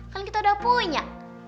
kan kita udah punya